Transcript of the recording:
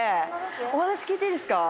お話聞いていいですか？